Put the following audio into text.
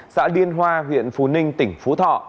xã điên hoa huyện phú ninh tỉnh phú thọ